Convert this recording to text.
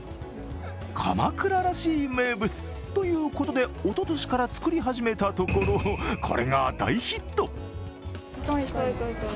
鎌倉らしい名物ということで、おととしから作り始めたところ、これが大ヒット。